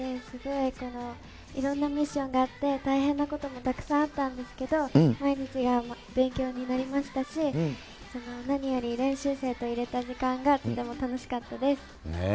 すごいいろんなミッションがあって、大変なこともたくさんあったんですけど、毎日が勉強になりましたし、何より練習生といれた時間が、とても楽しかったです。